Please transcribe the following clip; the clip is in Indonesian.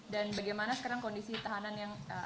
dan bagaimana sekarang kondisi tahanan yang